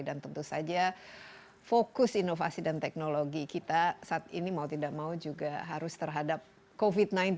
dan tentu saja fokus inovasi dan teknologi kita saat ini mau tidak mau juga harus terhadap covid sembilan belas